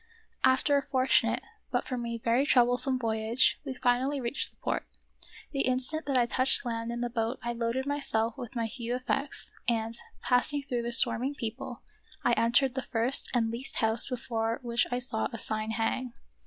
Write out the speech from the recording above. After a fortunate, but for me very trouble some voyage, we finally reached the port. The instant that I touched land in the boat I loaded myself with my few effects, and, passing through the swarming people, I entered the first and least house before which I saw a sign hang.